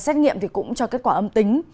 xét nghiệm cũng cho kết quả âm tính